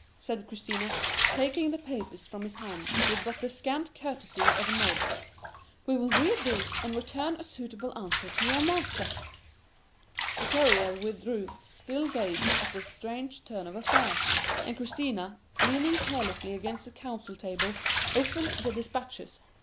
said Christina, taking the papers from his hand with but the scant courtesy of a nod; "we will read these and return a suitable answer to your master." The courier withdrew, still dazed at this strange turn of affairs; and Christina, leaning carelessly against the council table, opened the dispatches.